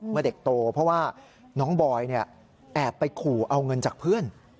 เมื่อเด็กโตเพราะว่าน้องบอยแอบไปขู่เอาเงินจากเพื่อน